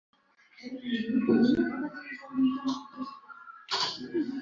Notiqning So’zi ming tinglovchiga yetib boradi.